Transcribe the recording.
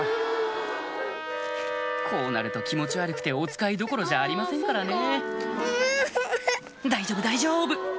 こうなると気持ち悪くておつかいどころじゃありませんからね大丈夫だいじょぶ！